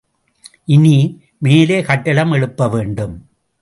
இனி, மேலே கட்டடம் எழுப்பவேண்டும்.